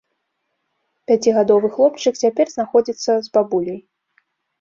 Пяцігадовы хлопчык цяпер знаходзіцца з бабуляй.